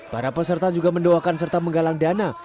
para peserta juga mendoakan serta menggalang dana